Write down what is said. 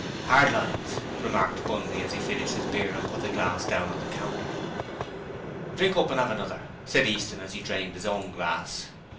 ''Ard lines,' remarked Bundy as he finished his beer and put the glass down on the counter. 'Drink up and 'ave another,' said Easton as he drained his own glass.